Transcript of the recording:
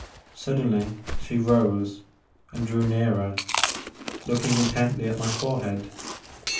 Suddenly she rose and drew nearer, looking intently at my forehead.